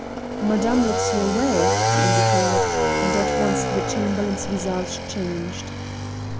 "Madame looks your way," he indicated, and at once the Chamberlain's visage changed.